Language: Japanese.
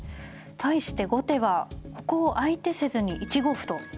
対して後手はここを相手せずに１五歩と。